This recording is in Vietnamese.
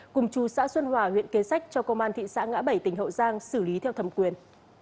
cùng chú xã xuân hòa huyện kế sách cho công an thị xã ngã bảy tỉnh hậu giang xử lý theo thẩm quyền